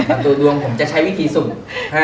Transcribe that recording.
ตัวตัวดวงผมจะใช้วิธีสุด